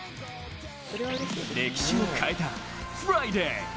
歴史を変えたフライデー。